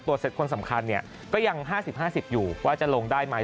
เซตคนสำคัญก็ยัง๕๐๕๐อยู่ว่าจะลงได้ไหม